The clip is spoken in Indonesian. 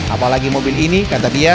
apalagi mobil ini kata dia